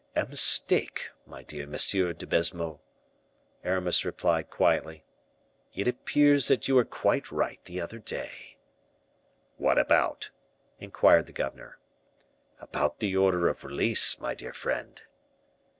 "A mistake, my dear Monsieur de Baisemeaux," Aramis replied, quietly. "It appears that you were quite right the other day." "What about?" inquired the governor. "About the order of release, my dear friend."